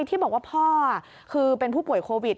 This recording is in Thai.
ที่บอกว่าพ่อคือเป็นผู้ป่วยโควิด